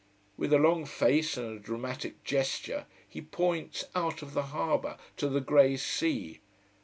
With a long face and a dramatic gesture he points out of the harbour, to the grey sea.